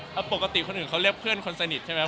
แล้วปกติคนอื่นเขาเรียกเพื่อนคนสนิทใช่ไหม